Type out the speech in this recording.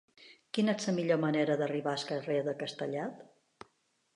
Quina és la millor manera d'arribar al carrer de Castellet?